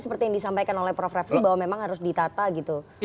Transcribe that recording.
seperti yang disampaikan oleh prof refli bahwa memang harus ditata gitu